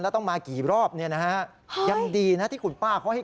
๑๓ตันตัวจริงนะฮ่ะ